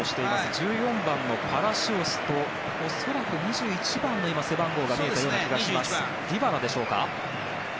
１４番のパラシオスと恐らく２１番の背番号が見えたような気がしますディバラでしょうか。